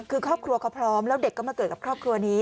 คือครอบครัวเขาพร้อมแล้วเด็กก็มาเกิดกับครอบครัวนี้